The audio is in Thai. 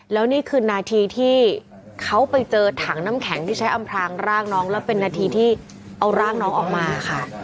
แล้วนี่คือนาทีที่เขาไปเจอถังน้ำแข็งที่ใช้อำพลางร่างน้องแล้วเป็นนาทีที่เอาร่างน้องออกมาค่ะ